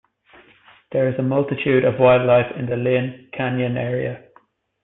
There is a multitude of wildlife in the Lynn Canyon area.